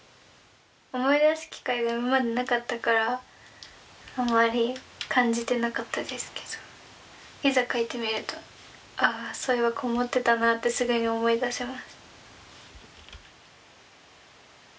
思い出す機会が今までなかったからあまり感じてなかったですけどいざ書いてみるとああそういえばこう思ってたなってすぐに思い出せます。